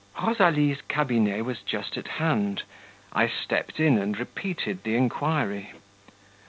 Rosalie's cabinet was just at hand; I stepped in and repeated the inquiry.